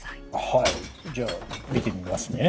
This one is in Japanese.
はいじゃあ見てみますね。